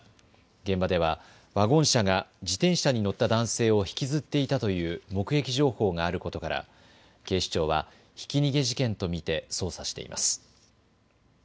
現場ではワゴン車が自転車に乗った男性を引きずっていたという目撃情報があることから警視庁はひき逃げ事件と見て捜査しています。